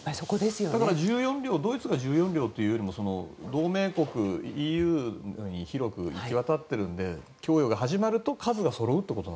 ドイツが１４両というのも同盟国、ＥＵなどに広くいきわたっているので供与が始まると数がそろうと。